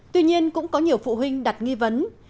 tuy nhiên cũng có nhiều phụ huynh đặt nghi vấn